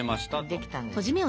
できたんですよ。